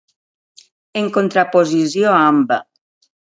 En contraposició amb.